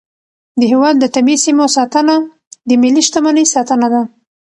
د هیواد د طبیعي سیمو ساتنه د ملي شتمنۍ ساتنه ده.